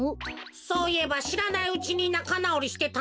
そういえばしらないうちになかなおりしてたな。